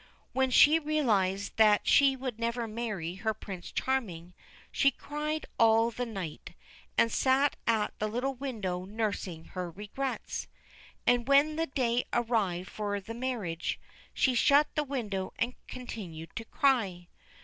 When she realised that she would never marry her Prince Charming, she cried all the night, and sat at the little window nursing her regrets. And, when the day arrived for the marriage, she shut the window and continued to cry.